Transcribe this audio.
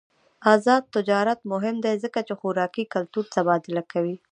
آزاد تجارت مهم دی ځکه چې خوراکي کلتور تبادله کوي.